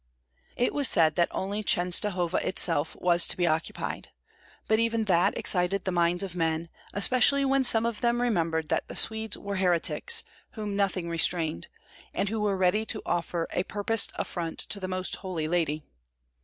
It was said that only Chenstohova itself was to be occupied; but even that excited the minds of men, especially when some of them remembered that the Swedes were heretics, whom nothing restrained, and who were ready to offer a purposed affront to the Most Holy Lady.